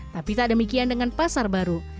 tapi tak demikian dengan pasar baru